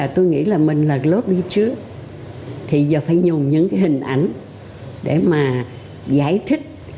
tôi nghĩ là mình là lốt đi trước thì giờ phải dùng những hình ảnh để mà giải thích